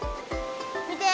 見て！